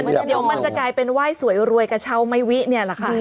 เดี๋ยวมันจะกลายเป็นไหว้สวยรวยกระเช้าไม่วิเนี่ยแหละค่ะ